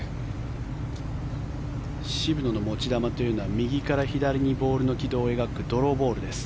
渋野の持ち球というのは右から左にボールの軌道を描くドローボールです。